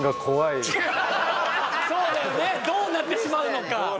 そうだよねどうなってしまうのか